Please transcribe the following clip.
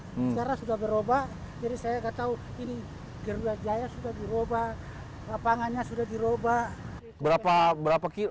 sekarang sudah berubah jadi saya gak tau ini garuda jaya sudah diubah lapangannya sudah diubah